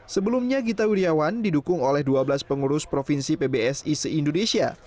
sebelumnya gita wirjawan didukung oleh dua belas pengurus provinsi pbsi se indonesia